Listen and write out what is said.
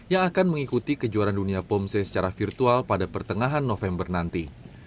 yang akan mengikuti kejuaraan dunia pomse secara virtual pada pertengahan november nanti